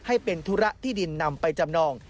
ให้เป็นธุระที่ดินนำไปจำนอง